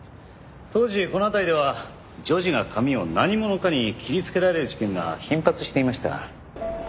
当時この辺りでは女児が髪を何者かに切りつけられる事件が頻発していました。